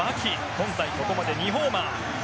今大会、ここまで２ホーマー。